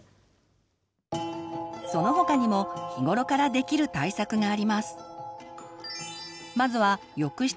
その他にも日頃からできる対策があります。